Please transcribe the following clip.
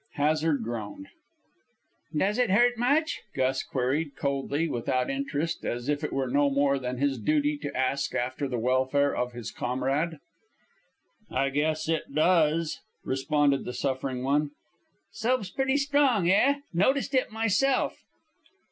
Hazard groaned. "Does it hurt much?" Gus queried, coldly, without interest, as if it were no more than his duty to ask after the welfare of his comrade. "I guess it does," responded the suffering one. "Soap's pretty strong, eh? Noticed it myself."